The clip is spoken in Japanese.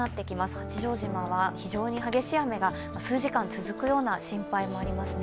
八丈島は非常に激しい雨が数時間続くような心配もありますね。